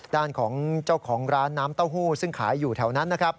ด้านของเจ้าของร้านน้ำเต้าหู้ซึ่งขายอยู่แถวนั้นนะครับ